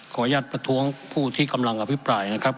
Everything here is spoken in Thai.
ประท้วงผู้ที่กำลังอภิปรายนะครับ